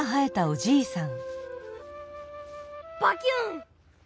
バキュン！